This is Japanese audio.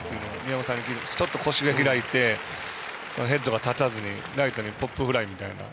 ちょっと腰が開いてヘッドが立たずにライトにポップフライみたいな。